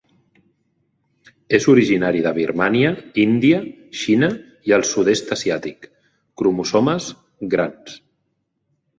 És originari de Birmània, Índia, Xina i el sud-est asiàtic. Cromosomes 'grans'.